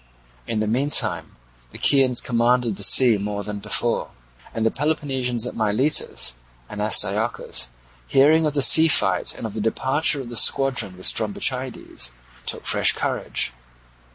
In the meantime the Chians commanded the sea more than before; and the Peloponnesians at Miletus and Astyochus, hearing of the sea fight and of the departure of the squadron with Strombichides, took fresh courage.